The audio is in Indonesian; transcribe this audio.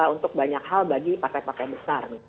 untuk banyak hal bagi partai partai besar